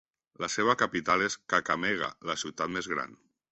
La seva capital és Kakamega, la ciutat més gran.